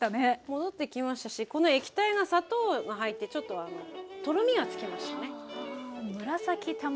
戻ってきましたしこの液体が砂糖が入ってちょっとあのとろみがつきましたね。